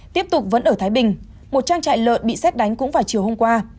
tiếp tục vẫn ở thái bình một trang trại lợn bị xét đánh cũng vào chiều hôm qua